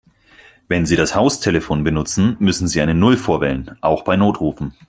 Wenn Sie das Haustelefon benutzen, müssen Sie eine Null vorwählen, auch bei Notrufen.